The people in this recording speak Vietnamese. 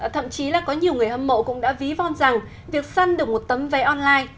thậm chí là có nhiều người hâm mộ cũng đã ví von rằng việc săn được một tấm vé online